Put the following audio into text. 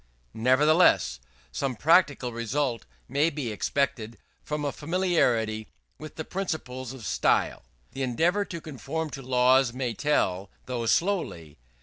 Nevertheless, some practical result may be expected from a familiarity with the principles of style. The endeavour to conform to laws may tell, though slowly.